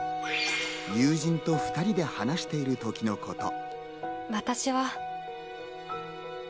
友人と２人で話しているときのこと。